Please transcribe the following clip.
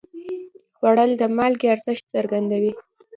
خوړل د مالګې ارزښت څرګندوي